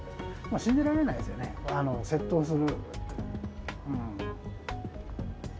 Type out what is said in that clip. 信じられないですよね、窃盗する。